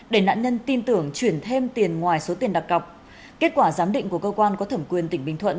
để nạn nhân tin tưởng chuyển thêm tiền ngoài số tiền đặc cọc kết quả giám định của cơ quan có thẩm quyền tỉnh bình thuận